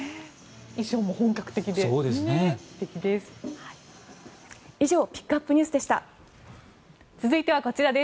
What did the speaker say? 衣装も本格的で。